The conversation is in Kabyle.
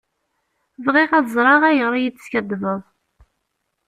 Bɣiɣ ad ẓreɣ ayɣer i iyi-d-teskaddbeḍ.